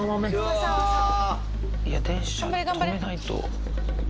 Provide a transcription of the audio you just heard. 電車止めないと。